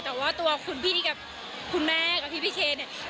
แต่ว่าตัวคุณพี่กับคุณแม่กับพี่พี่เคเนี่ย